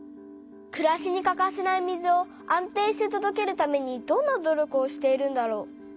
くらしにかかせない水を安定してとどけるためにどんな努力をしているんだろう。